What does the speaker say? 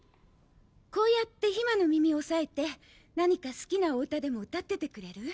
こうやって、ひまの耳を押さえて何か好きなお歌でも歌っててくれる？